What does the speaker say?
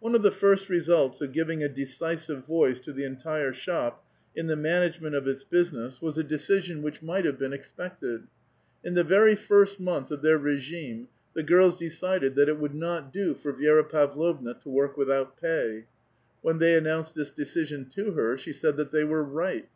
One of the first results of giving a decisive voice to the entire shop in the management of its business was a decision A VITAL QUESTION. 177 "^vhich might have been expected : in the very first month of ^Ijeir regime the girls deckled that it would not do for Vi^ra i^avlovua to work without pay. When tliey aunounced this deci&^ion to her, she said that they were right.